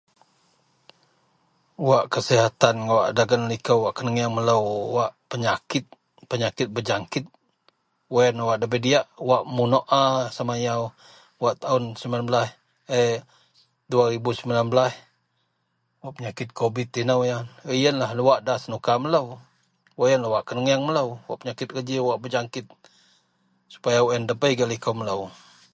wak kasihatan wak dagen liko wak kenegang melou wak penyakit, penyakit berjangkit ,wak ien wak debei diyak wak munok a sama yau wak taun Sembilan belaih eh duaribu Sembilan belaih wak penyakit kovid inou yau, ienlah wak da senuka melou, wak ienlah wak keneang melou, wak penyakit keji wak berjangkit supaya wak ien debei gak liko melou